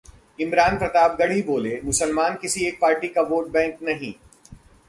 इमरान प्रतापगढ़ी बोले- मुसलमान किसी एक पार्टी का वोट बैंक नहीं